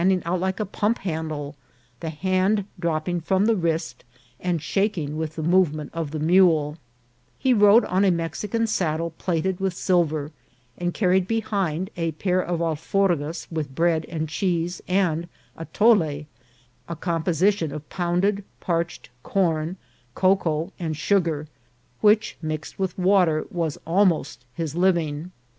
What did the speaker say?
141 ing out like a pump handle, the hand dropping from the wrist, and shaking with the movement of the mule, He rode on a Mexican saddle plated with silver, and carried behind a pair of alforgas with bread and cheese, and atole, a composition of pounded parched corn, cocoa, and sugar, which, mixed with water, was al most his living.